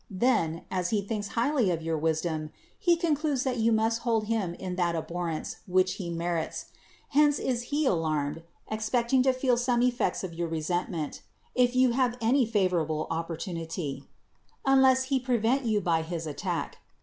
Then, as he thinks highly of your wis dom, he concludes that you must hold him in that abhorrence which he merits; hence is he alarmed, expecting to feel some eiTects of your resentment (if you have any favorable oppor 115 THE WORLD'S FAMOUS ORATIONS tunity) unless he prevent you by his attack.